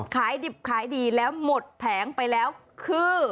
ขายดิบขายดีแล้วหมดแผงไปแล้วคือ